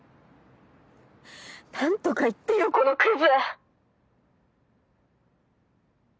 何とか言ってよこのクズ！